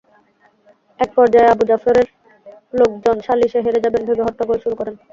একপর্যায়ে আবু জাফরের লোকজন সালিসে হেরে যাবেন ভেবে হট্টগোল শুরু করেন।